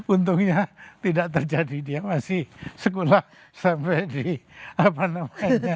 untungnya tidak terjadi dia masih sekolah sampai di apa namanya